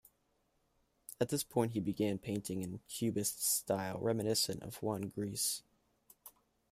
At this point, he began painting in a Cubist style reminiscent of Juan Gris.